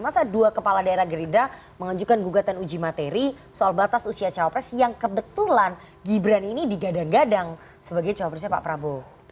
masa dua kepala daerah gerinda menganjurkan gugatan uji materi soal batas usia cawapres yang kebetulan gipret ini digadang gadang sebagai cawapresnya pak prabowo